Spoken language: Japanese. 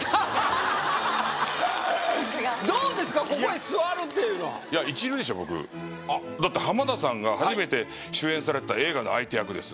ここへ座るっていうのはいや一流でしょ僕あっだって浜田さんが初めて主演された映画の相手役です